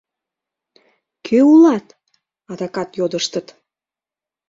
«Кӧ улат?» — адакат йодыштыт.